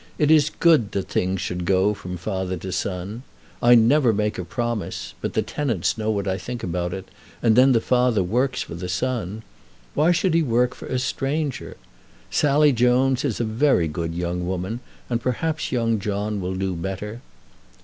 It is good that things should go from father to son. I never make a promise; but the tenants know what I think about it, and then the father works for the son. Why should he work for a stranger? Sally Jones is a very good young woman, and perhaps young John will do better."